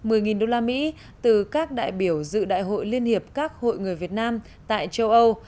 một mươi usd từ các đại biểu dự đại hội liên hiệp các hội người việt nam tại châu âu